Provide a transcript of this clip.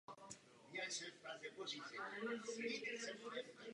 Výraz konkurenceschopnost průmyslu vyvolává očekávání.